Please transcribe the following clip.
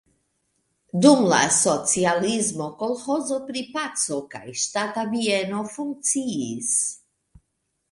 Dum la socialismo kolĥozo pri "Paco" kaj ŝtata bieno funkciis.